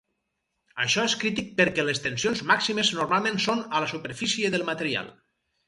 Això és crític perquè les tensions màximes normalment són a la superfície del material.